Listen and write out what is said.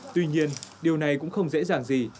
tuy nhiên điều này cũng không dễ dàng gì